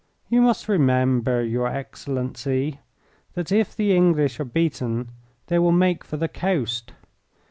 "You must remember, your Excellency, that if the English are beaten they will make for the coast.